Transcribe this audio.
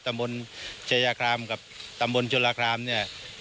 ตำบลชายาครามกับตำบลจุฬาครามเนี่ย